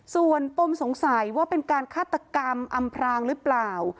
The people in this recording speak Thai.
ส่วนปมสงสัยว่าเป็นการฆาตกรรมอำพรางหรือเปล่า